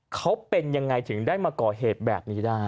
เขาเป็นยังไงถึงได้มาก่อเหตุแบบนี้ได้